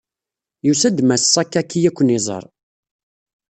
Yusa-d Mass Sakaki ad ken-iẓeṛ.